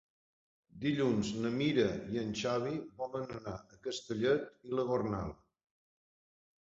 Dilluns na Mira i en Xavi volen anar a Castellet i la Gornal.